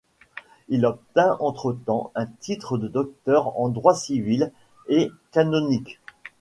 Il obtint entre-temps un titre de docteur en droit civil et canonique.